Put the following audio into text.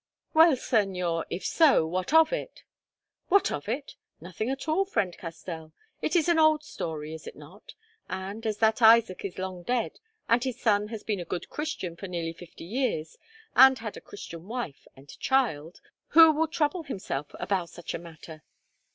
"Well, Señor, if so, what of it?" "What of it? Nothing at all, friend Castell. It is an old story, is it not, and, as that Isaac is long dead and his son has been a good Christian for nearly fifty years and had a Christian wife and child, who will trouble himself about such a matter?